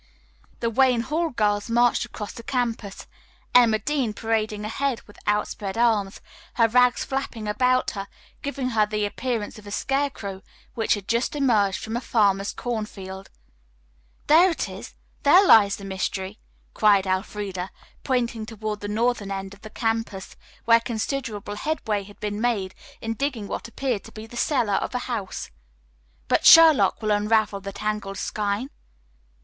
The Wayne Hall girls marched across the campus, Emma Dean parading ahead with outspread arms, her rags flapping about her, giving her the appearance of a scarecrow which had just emerged from a farmer's cornfield. "There it is! There lies the mystery!" cried Elfreda, pointing toward the northern end of the campus, where considerable headway had been made in digging what appeared to be the cellar of a house. "But Sherlock will unravel the tangled skein!"